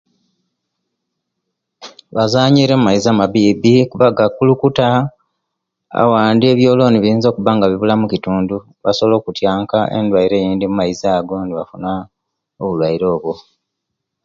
Bazanyira omumaizi amabiibi kuba gakulukuta, owandi ebyolooni biyinza okubanga buwuula omukitundu, basobola okutyanka endwaire eyindi omumaizi ago nibafuna obulwaire obwo.